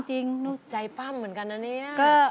จริงหนูใจปั้่มเหมือนกันนี้นะ